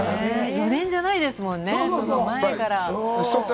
４年じゃないですもんね、その前から。